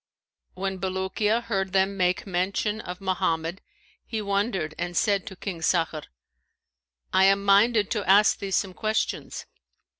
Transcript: When Bulukiya heard them make mention of Mohammed, he wondered and said to King Sakhr, 'I am minded to ask thee some questions.'